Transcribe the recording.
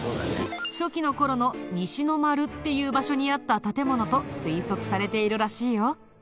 初期の頃の西の丸っていう場所にあった建物と推測されているらしいよ。